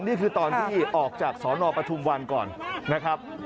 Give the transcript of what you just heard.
นี่คือตอนที่ออกจากสนปทุมวันก่อนนะครับ